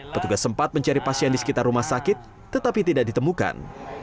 petugas sempat mencari pasien di sekitar rumah sakit tetapi tidak ditemukan